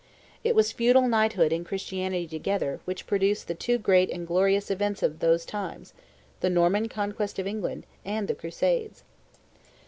It was feudal knighthood and Christianity together which produced the two great and glorious events of those times, the Norman conquest of England and the Crusades.